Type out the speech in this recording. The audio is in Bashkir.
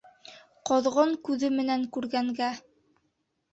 — Ҡоҙғон күҙе менән күргәнгә!